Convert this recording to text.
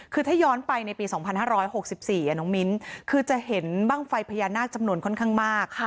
คือถ้าย้อนไปในปี๒๕๖๔น้องมิ้นคือจะเห็นบ้างไฟพญานาคจำนวนค่อนข้างมาก